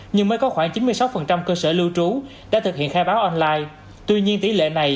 nhưng mới có khoảng chín mươi sáu cơ sở lưu trú đã thực hiện khai báo online